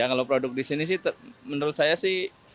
kalau produk di sini sih menurut saya sih